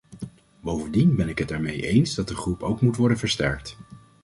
Bovendien ben ik het ermee eens dat de groep ook moet worden versterkt.